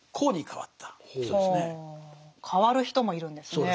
変わる人もいるんですね。